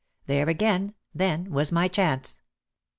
There again, then, was my chance.